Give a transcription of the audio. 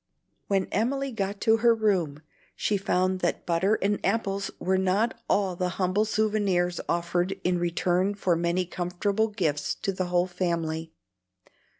When Emily got to her room, she found that butter and apples were not all the humble souvenirs offered in return for many comfortable gifts to the whole family.